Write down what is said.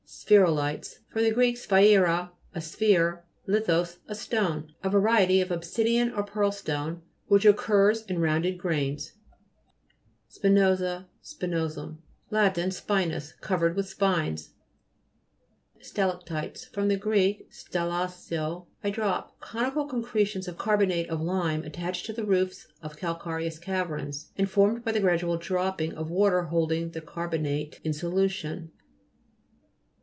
SPHE'RULITES fr. gr. sphaira, a sphere, lithos, a stone. A variety of obsidian or pearlstone which occurs in rounded grains. SPINO'SA 7l jat ' Spinous; covered SPIXO'SUM 5 with spines. SPI'RIFER (p. 30). STALA'CTITES fr. gr. stalasso, I drop. Conical concretions of carbonate of lime attached to the roofs of calca rious caverns, and formed by the gradual dropping of water holding the carbonate in solution.